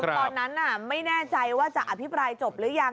ตอนนั้นไม่แน่ใจว่าจะอภิปรายจบหรือยัง